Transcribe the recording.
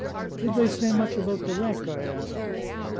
"Did they say much about the wreck?" I asked.